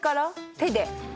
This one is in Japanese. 手で。